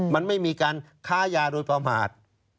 มันไม่มีการค้ายาโดยประมาท